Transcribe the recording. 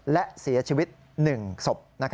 และเสียชีวิต๑ศพ